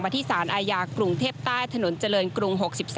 ที่สารอาญากรุงเทพใต้ถนนเจริญกรุง๖๓